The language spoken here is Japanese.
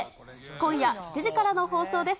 今夜７時からの放送です。